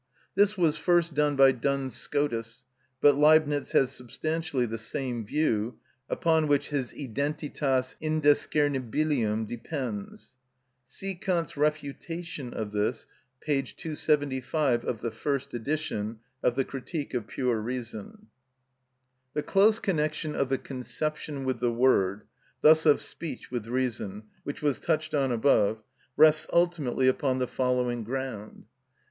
This was first done by Duns Scotus, but Leibnitz has substantially the same view, upon which his "Identitas Indiscernibilium" depends. (See Kant's refutation of this, p. 275 of the first edition of the Critique of Pure Reason.) The close connection of the conception with the word, thus of speech with reason, which was touched on above, rests ultimately upon the following ground.